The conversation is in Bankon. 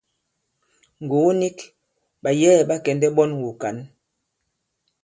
Ŋgògo nik, ɓàyɛ̌ɛ̀ ɓa kɛ̀ndɛ̀ ɓɔn wùkǎn.